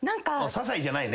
ささいじゃないよ。